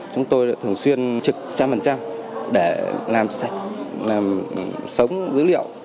chúng tôi thường xuyên trực một trăm linh để làm sạch làm sống dữ liệu